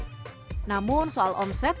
namun soal omset amanda menolak membeberkan omsetnya